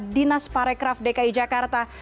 dinas parekraf dki jakarta